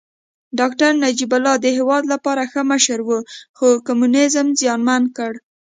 داکتر نجيب الله د هېواد لپاره ښه مشر و خو کمونيزم زیانمن کړ